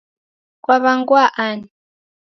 Kwawangwaa ani?